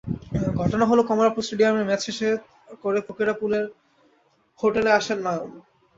ঘটনা হলো, কমলাপুর স্টেডিয়ামে ম্যাচ শেষে করে ফকিরেরপুল হোটেলে আসেন নয়ন।